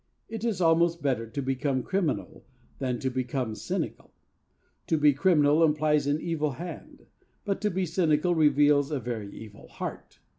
It is almost better to become criminal than to become cynical. To be criminal implies an evil hand; but to be cynical reveals a very evil heart.